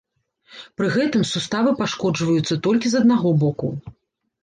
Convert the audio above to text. Пры гэтым суставы пашкоджваюцца толькі з аднаго боку.